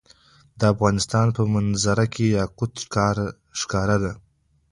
د افغانستان په منظره کې یاقوت ښکاره ده.